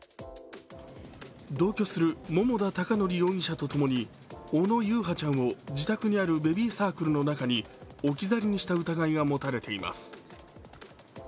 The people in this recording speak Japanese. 同居する桃田貴徳容疑者とともに小野優陽ちゃんを自宅にあるベビーサークルの中に置き去りにした疑いが持たれています。